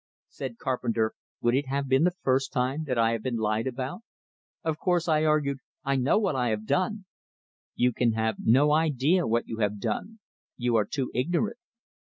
Said Carpenter: "Would it have been the first time that I have been lied about?" "Of course," I argued, "I know what I have done " "You can have no idea what you have done. You are too ignorant."